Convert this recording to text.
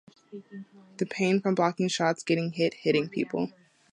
The pain from blocking shots, getting hit, hitting people...